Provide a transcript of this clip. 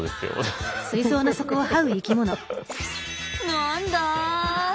何だ？